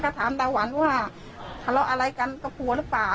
ก็ถามดาหวันว่าทะเลาะอะไรกันก็กลัวหรือเปล่า